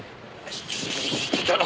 ちょっと！